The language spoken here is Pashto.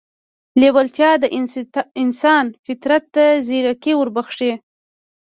لېوالتیا د انسان فطرت ته ځيرکي وربښي.